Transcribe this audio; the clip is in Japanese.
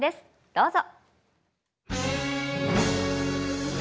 どうぞ。